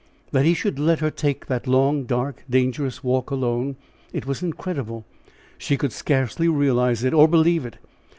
That he should let her take that long, dark, dangerous walk alone! it was incredible! she could scarcely realize it, or believe it!